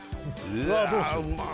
うわうま